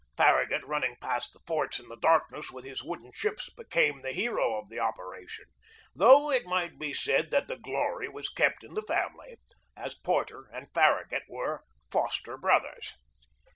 Farragut running past the forts in the darkness with his wooden ships became the hero of the operation; though it might be said that the glory was kept in the family, as Porter and Far ragut were foster brothers.